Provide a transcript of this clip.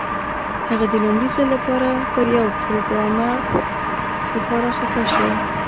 هغه د لومړي ځل لپاره د یو پروګرامر لپاره خفه شو